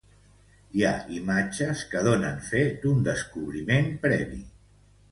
Hi ha imatges que donen fe d'un descobriment previ.